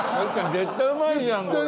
絶対うまいじゃんこれ。